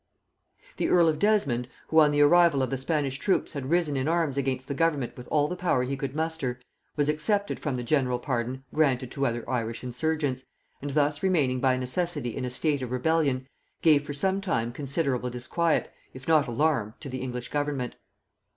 The earl of Desmond, who on the arrival of the Spanish troops had risen in arms against the government with all the power he could muster, was excepted from the general pardon granted to other Irish insurgents, and thus remaining by necessity in a state of rebellion, gave for some time considerable disquiet, if not alarm, to the English government.